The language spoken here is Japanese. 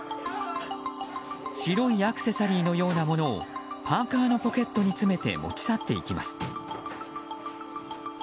白いアクセサリーのようなものをパーカのポケットに詰めて持ち去っていきます。